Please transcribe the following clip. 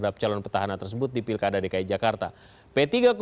apa latar belakangnya pak